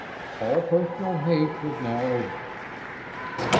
All personal haste was now over.